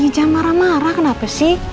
jam marah marah kenapa sih